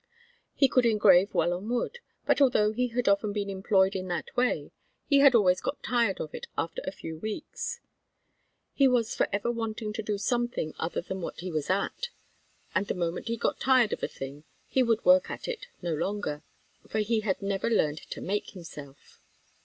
He could engrave well on wood; but although he had often been employed in that way, he had always got tired of it after a few weeks. He was forever wanting to do something other than what he was at; and the moment he got tired of a thing, he would work at it no longer; for he had never learned to make himself.